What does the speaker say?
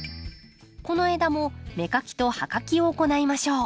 この枝も芽かきと葉かきを行いましょう。